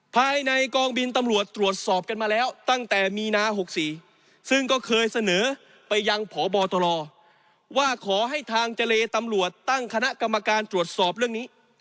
ภายในกองบินตำรวจตรวจสอบกันมาแล้วตั้งแต่มีนา๖๔ซึ่งก็เคยเสนอไปยังพบตรว่าขอให้ทางเจรตำรวจตั้งคณะกรรมการตรวจสอบเรื่องนี้